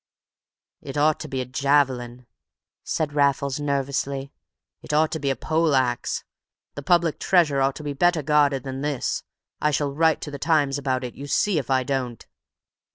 "It ought to be a javelin," said Raffles, nervously. "It ought to be a poleaxe! The public treasure ought to be better guarded than this. I shall write to the Times about it—you see if I don't!"